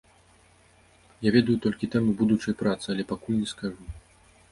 Я ведаю толькі тэму будучай працы, але пакуль не скажу.